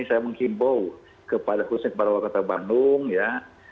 saya menghimbau khususnya kepada waria kota bandung ya